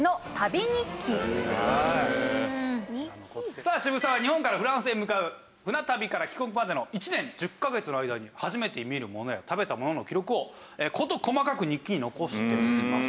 さあ渋沢は日本からフランスへ向かう船旅から帰国までの１年１０カ月の間に初めて見るものや食べたものの記録を事細かく日記に残しております。